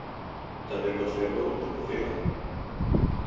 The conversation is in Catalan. També pot fer-ho a l'última fila.